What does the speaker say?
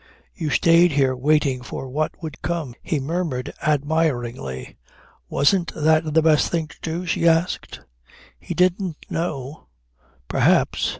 "You stayed here waiting for what would come," he murmured admiringly. "Wasn't that the best thing to do?" she asked. He didn't know. Perhaps.